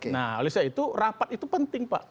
nah oleh sebab itu rapat itu penting pak